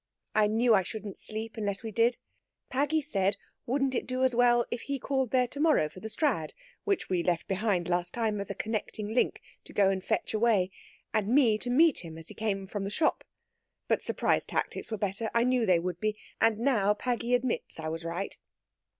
I knew I shouldn't sleep unless we did. Paggy said, 'Wouldn't it do as well if he called there to morrow for the Strad which we had left behind last time as a connecting link to go and fetch away and me to meet him as he came from the shop?' But surprise tactics were better I knew they would be and now Paggy admits I was right.